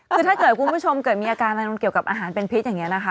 คือถ้าเกิดคุณผู้ชมเกิดมีอาการอะไรเกี่ยวกับอาหารเป็นพิษอย่างนี้นะคะ